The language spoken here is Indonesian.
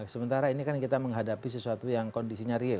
sementara ini kan kita menghadapi sesuatu yang kondisinya real